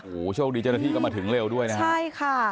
โอ้โหโชคดีเจ้าหน้าที่ก็มาถึงเร็วด้วยนะฮะใช่ค่ะ